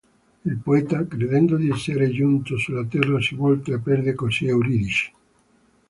Il poeta, credendo di essere giunto sulla terra, si volta e perde così Euridice.